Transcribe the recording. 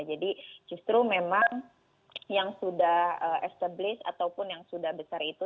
justru memang yang sudah established ataupun yang sudah besar itu